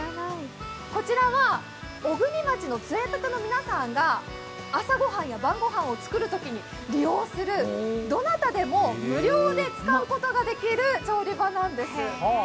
こちらは小国町の杖立の皆さんが、朝ご飯などで利用するどなたでも無料で使うことができる調理場なんです。